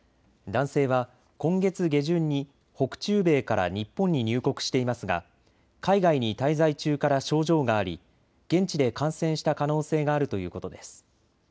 男性は今月下旬に北中米から日本に入国していますが海外に滞在中から症状があり現地で感染した可能性があるということです。